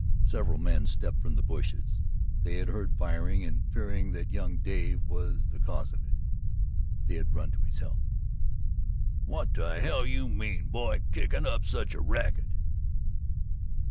Several men stepped from the bushes they had heard firing and, fearing that young Dave was the cause of it, they had run to his help. "What the hell you mean, boy, kickin' up such a racket?"